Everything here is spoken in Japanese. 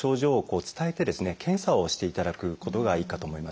検査をしていただくことがいいかと思います。